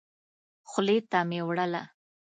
خولې ته مي وړله .